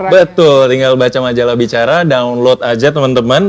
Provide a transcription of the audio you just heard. betul tinggal baca majalah bicara download aja teman teman